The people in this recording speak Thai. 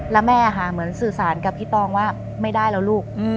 แล้วแม่ค่ะเหมือนสื่อสารกับพี่ตองว่าไม่ได้แล้วลูก